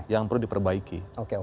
yang perlu diperbaiki